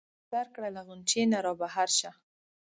رخت په سر کړه له غُنچې نه را بهر شه.